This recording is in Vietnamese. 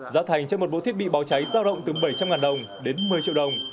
giá thành cho một bộ thiết bị báo cháy giao động từ bảy trăm linh đồng đến một mươi triệu đồng